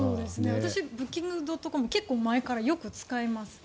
私ブッキングドットコム結構前からよく使います。